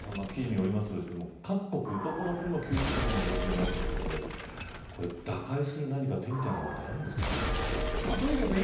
各国、どこの国も救出困難な状況にあるということでこれ、打開する手みたいなものはあるんですかね。